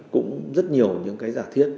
cũng rất nhiều những cái giả thiết